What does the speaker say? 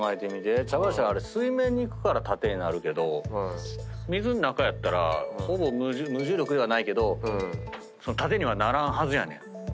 茶柱水面に浮くから縦になるけど水ん中やったらほぼ無重力ではないけど縦にはならんはずやねん。